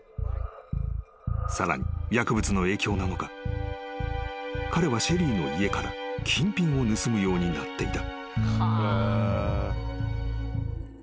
［さらに薬物の影響なのか彼はシェリーの家から金品を盗むようになっていた］